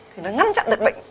thì nó ngăn chặn được bệnh